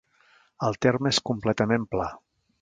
El terme és completament pla.